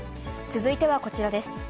続いてはこちらです。